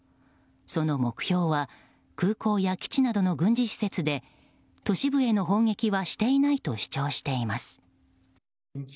その目標は空港は基地などの軍事施設で都市部への攻撃はしていないと主張しています。